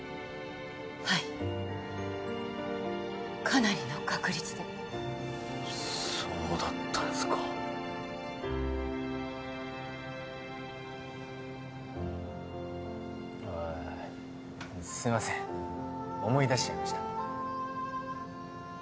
はいかなりの確率でそうだったんすかああすいません思い出しちゃいました？